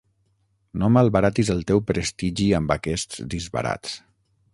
No malbaratis el teu prestigi amb aquests disbarats.